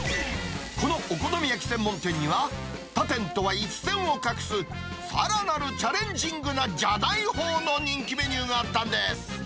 このお好み焼き専門店には、他店とは一線を画すさらなるチャレンジングなじゃないほうの人気メニューがあったんです。